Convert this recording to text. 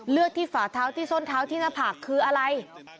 เลือดที่ฝาเท้าที่ส้นเท้าที่หน้าผากคืออะไร